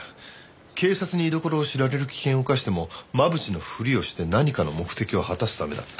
警察に居所を知られる危険を冒しても真渕のふりをして何かの目的を果たすためだった。